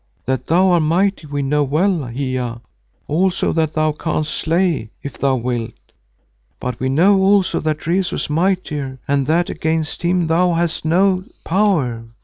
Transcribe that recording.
That thou art mighty we know well, Hiya, also that thou canst slay if thou wilt, but we know also that Rezu is mightier and that against him thou hast no power.